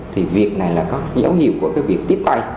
thì việc này là có dấu hiệu của cái việc tiếp tay